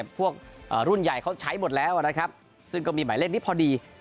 พวกรุ่นใหญ่เขาใช้หมดแล้วนะครับซึ่งก็มีหมายเลขนี้พอดี